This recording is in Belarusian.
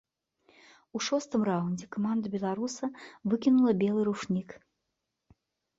У шостым раўндзе каманда беларуса выкінула белы ручнік.